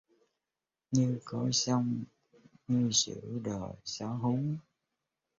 Như có giông như giữa đồi gió hú